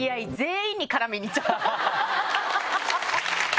ハハハハ！